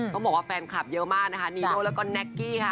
ต้องบอกว่าแฟนคลับเยอะมากนะคะนีโน่แล้วก็แน็กกี้ค่ะ